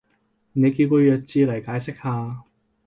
你叫個弱智嚟解釋下